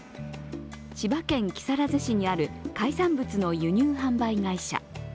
千葉県木更津市にある海産物の輸入販売会社。